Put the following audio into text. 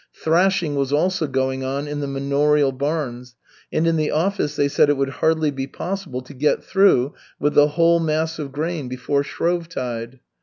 Thrashing was also going on in the manorial barns, and in the office they said it would hardly be possible to get through with the whole mass of grain before Shrovetide.